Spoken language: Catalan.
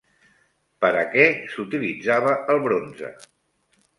Per a què s'utilitzava el bronze?